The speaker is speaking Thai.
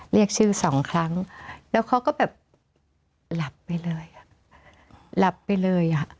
เรียกชื่อสองครั้งแล้วเขาก็แบบหลับไปเลยอ่ะหลับไปเลยอ่ะ